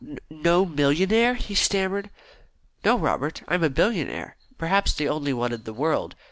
"No millionaire!" he stammered. "No, Robert; I am a billionaire perhaps the only one in the world.